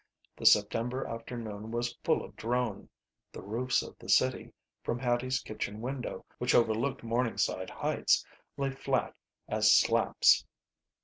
The September afternoon was full of drone. The roofs of the city from Hattie's kitchen window, which overlooked Morningside Heights, lay flat as slaps.